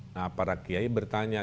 nah para kiai bertanya